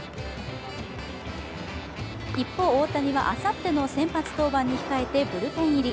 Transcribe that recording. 一方、大谷はあさっての先発登板に備えブルペン入り。